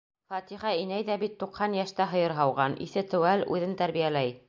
Фатиха инәй ҙә бит туҡһан йәштә һыйыр һауған, иҫе теүәл, үҙен тәрбиәләй.